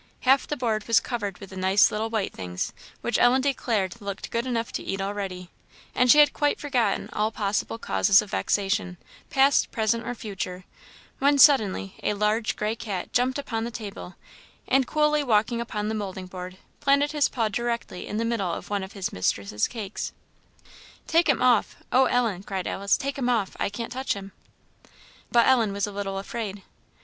Half the board was covered with the nice little white things, which Ellen declared looked good enough to eat already; and she had quite forgotten all possible causes of vexation, past, present, or future, when suddenly a large gray cat jumped upon the table, and coolly walking upon the moulding board, planted his paw directly in the middle of one of his mistress's cakes. "Take him off oh, Ellen!" cried Alice, "take him off! I can't touch him." But Ellen was a little afraid.